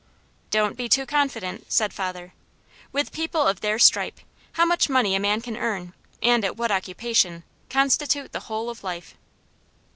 "Don't be too confident," said father. "With people of their stripe, how much money a man can earn, and at what occupation, constitute the whole of life."